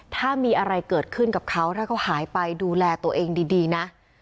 ถ้ามีอะไรเกิดขึ้นกับเขาถ้าเขาหายไปดูแลตัวเองดีนะ